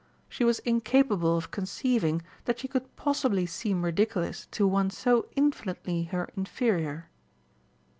She was incapable of conceiving that she could possibly seem ridiculous to one so infinitely her inferior.